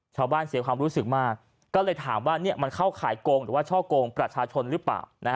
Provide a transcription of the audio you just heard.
เสียความรู้สึกมากก็เลยถามว่ามันเข้าข่ายโกงหรือว่าช่อกงประชาชนหรือเปล่า